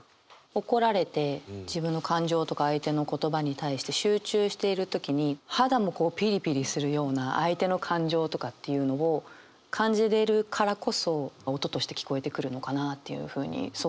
怒られて自分の感情とか相手の言葉に対して集中している時に肌もこうピリピリするような相手の感情とかっていうのを感じれるからこそ音として聞こえてくるのかなっていうふうに想像させましたね。